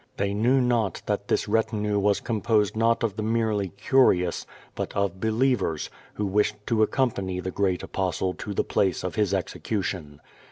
They knew not that this retinue was composed not of the merely curious, but of believers, who wished to accompany the great Apostle to the place of his execution.